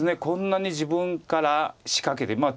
こんなに自分から仕掛けて。